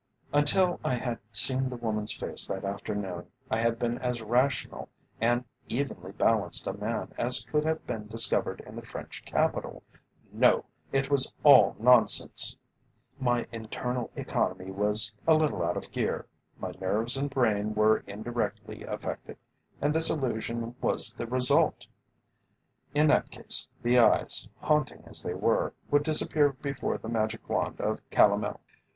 Until I had seen the woman's face that afternoon, I had been as rational and evenly balanced a man as could have been discovered in the French capital. No! it was all nonsense! My internal economy was a little out of gear, my nerves and brain were indirectly affected, and this illusion was the result. In that case the eyes, haunting as they were, would disappear before the magic wand of Calomel.